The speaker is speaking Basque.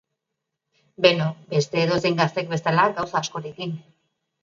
Beno, beste edozein gaztek bezala, gauza askorekin.